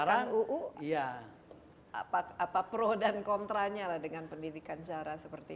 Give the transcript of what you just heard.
dan menurutkan uu apa pro dan kontranya dengan pendidikan cara seperti itu